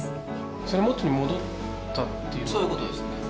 それは元に戻ったっていうこそういうことですね。